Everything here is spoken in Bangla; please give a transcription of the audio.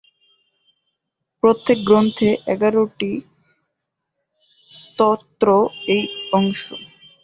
প্রত্যেক গ্রন্থে এগারোটি স্তোত্র এই অংশ।